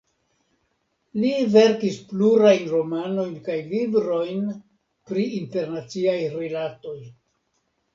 Li verkis plurajn romanojn kaj librojn pri internaciaj rilatoj.